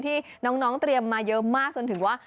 ที่น้องเตรียมมาเยอะมากจนถึงว่า